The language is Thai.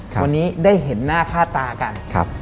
วันนี้ได้เห็นหน้าค่าตากัน